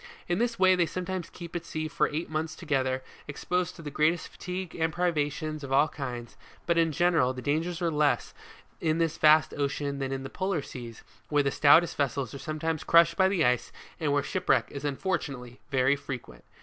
In this way, they sometimes keep at sea for eight months together, exposed to the greatest fatigue and privations of all kinds ; but in general, the dangers are less in this vast ocean than in the polar seas, where the stoutest vessels are sometimes crushed by the ice, and where shipwreck is unfortunately very frequent.